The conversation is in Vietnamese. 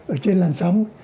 ở trên làn sóng